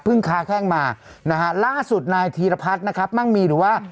ค้าแข้งมานะฮะล่าสุดนายธีรพัฒน์นะครับมั่งมีหรือว่า